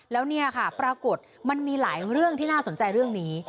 แล้วเนี่ยค่ะปรากฏมันมีหลายเรื่องที่น่าสนใจเรื่องนี้